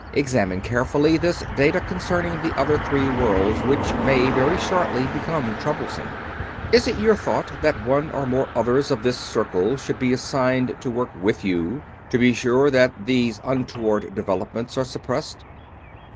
Examine carefully this data concerning the other three worlds which may very shortly become troublesome. Is it your thought that one or more others of this Circle should be assigned to work with you, to be sure that these untoward developments are suppressed?"